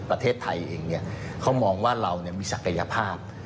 ประเทศไทยเองเนี้ยเขามองว่าเราเนี้ยมีศักยภาพ